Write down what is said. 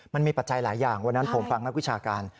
ปัจจัยหลายอย่างวันนั้นผมฟังนักวิชาการ